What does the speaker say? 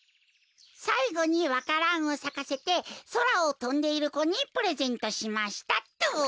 「さいごにわからんをさかせてそらをとんでいる子にプレゼントしました」っと。